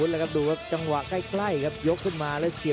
ท่านผู้ชมในมุมลุ้มเงินเนี่ย